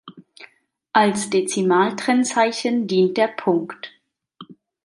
Als Dezimaltrennzeichen dient der Punkt.